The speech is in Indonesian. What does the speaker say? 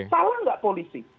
salah nggak polisi